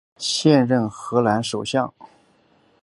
现任荷兰首相。